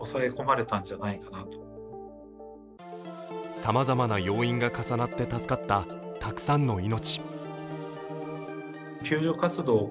さまざまな要因が重なって助かったたくさんの命。